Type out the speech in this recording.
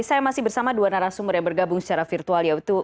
saya masih bersama dua narasumber yang bergabung secara virtual yaitu